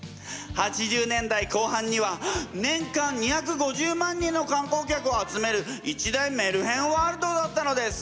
８０年代後半には年間２５０万人の観光客を集める一大メルヘンワールドだったのです。